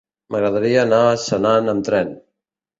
M'agradaria anar a Senan amb tren.